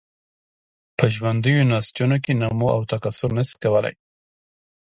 په ژوندیو نسجونو کې نمو او تکثر نشي کولای.